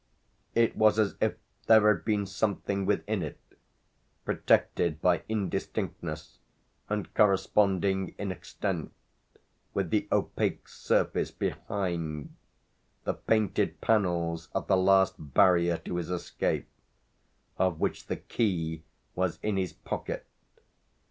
It was as if there had been something within it, protected by indistinctness and corresponding in extent with the opaque surface behind, the painted panels of the last barrier to his escape, of which the key was in his pocket.